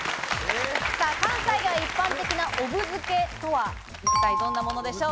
関西では一般的な、おぶ漬とは一体どんなものでしょう。